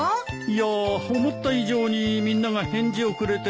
いやあ思った以上にみんなが返事をくれてねえ。